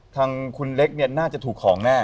ทางคุณเล็กเนี่ยน่าจะถูกของแน่